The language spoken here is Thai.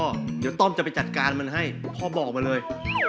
เดี๋ยวต้อมจะไปจัดการมันให้พ่อบอกมาเลย